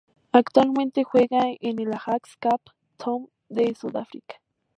Actualmente juega en el Ajax Cape Town de Sudáfrica.